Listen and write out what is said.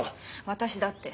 私だって。